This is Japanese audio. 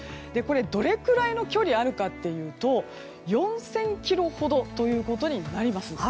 どれくらいの距離あるかというと４０００ｋｍほどということになります。